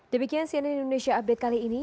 demikian cnn indonesia update kali ini